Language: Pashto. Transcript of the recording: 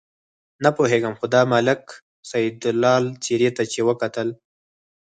نه پوهېږم خو د ملک سیدلال څېرې ته چې وکتل.